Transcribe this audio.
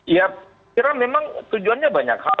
ya kira memang tujuannya banyak hal